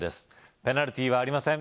ペナルティーはありません